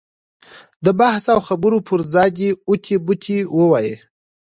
د بحث او خبرو پر ځای دې اوتې بوتې ووایي.